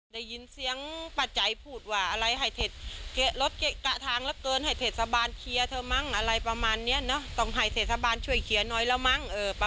ทีดีมากเท่านั้นอ้ะก็วิ่งเข้ามาในร้านที่มาเยอร์